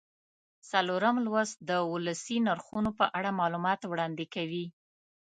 څلورم لوست د ولسي نرخونو په اړه معلومات وړاندې کوي.